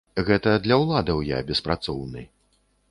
Гэта для ўладаў я беспрацоўны.